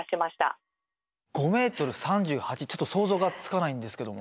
３８ちょっと想像がつかないんですけども。